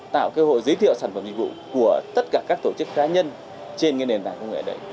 tạo cơ hội giới thiệu sản phẩm dịch vụ của tất cả các tổ chức cá nhân trên nền tảng